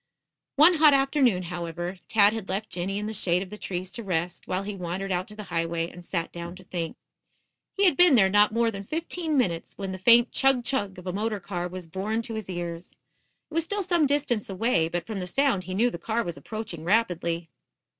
One hot afternoon, however, Tad had left Jinny in the shade of the trees to rest, while he wandered out to the highway and sat down to think. He had been there not more than fifteen minutes when the faint chug, chug of a motor car was borne to his ears. It was still some distance away, but from the sound he knew the car was approaching rapidly.